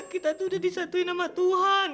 kita tuh udah disatuin sama tuhan